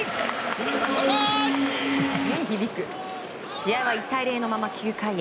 試合は１対０のまま９回へ。